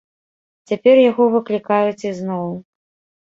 Цяпер яго выклікаюць ізноў.